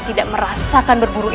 tidak merasakan berburu ini